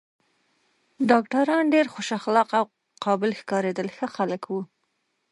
ډاکټران ډېر خوش اخلاقه او قابل ښکارېدل، ښه خلک و.